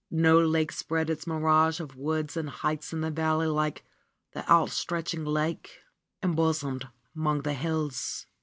No lake spread its mirage of woods and heights in the valley like ^'Th^ outstretching lake, embosomed 'mong the hills."